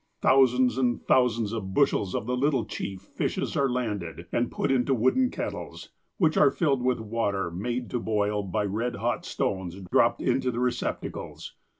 Thousands and thousands of bushels of the little '' chief" fishes are landed, and put into wooden kettles, which are filled with water made to boil by red hot stones dropped into the receptacles.